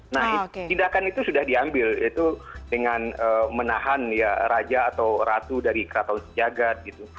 nah tindakan itu sudah diambil yaitu dengan menahan ya raja atau ratu dari keraton sejagat gitu